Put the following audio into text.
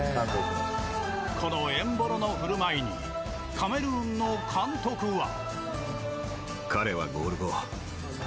このエンボロの振る舞いにカメルーンの監督は。